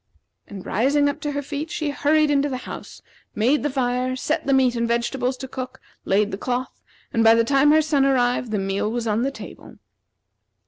And rising to her feet, she hurried into the house, made the fire, set the meat and vegetables to cook, laid the cloth, and by the time her son arrived the meal was on the table.